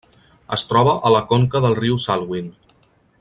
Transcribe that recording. Es troba a la conca del riu Salween.